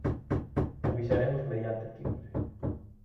Avisaremos mediante timbre.